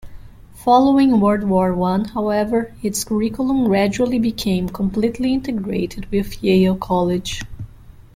Following World War One, however, its curriculum gradually became completely integrated with Yale College.